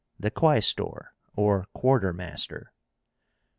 The QUAESTOR, or quartermaster.